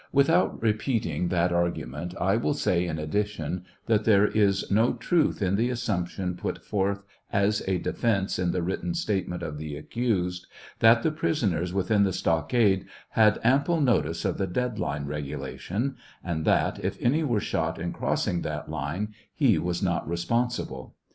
Without repeating that argu ment, I will say in addition that there is no truth in the assumption put forth as a defence in the written statement of the accused, that the prisoners within the stockade had ample notice of the dead line regulation, and that, if any were shot in crossing that line, he was not responsible.